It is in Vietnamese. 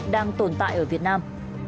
đang tồn tại ở việt nam